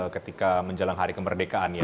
ketika menjelang hari kemerdekaan ya